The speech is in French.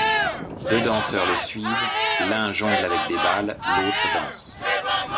Deux danseurs le suivent, l'un jongle avec des balles, l'autre danse.